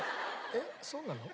えっそうなの？